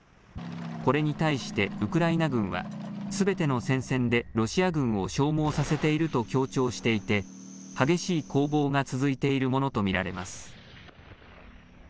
これに対してウクライナ軍はすべての戦線でロシア軍を消耗させていると強調していて激しい攻防が続いているものと見られます。